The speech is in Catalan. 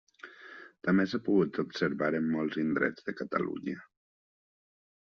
També s'ha pogut observar en molts indrets de Catalunya.